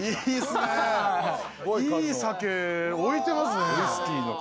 いい酒置いてますね。